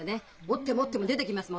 折っても折っても出てきます